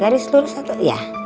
gari seluruh satu ya